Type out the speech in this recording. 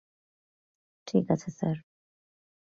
ঠিক আছে স্যার।